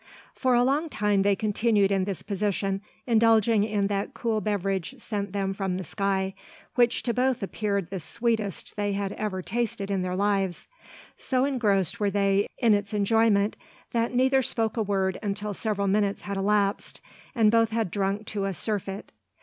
For a long time they continued in this position, indulging in that cool beverage sent them from the sky, which to both appeared the sweetest they had ever tasted in their lives. So engrossed were they in its enjoyment, that neither spoke a word until several minutes had elapsed, and both had drunk to a surfeit.